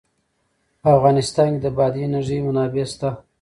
په افغانستان کې د بادي انرژي منابع شته.